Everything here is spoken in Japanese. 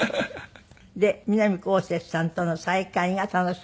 で南こうせつさんとの再会が楽しみなんですって？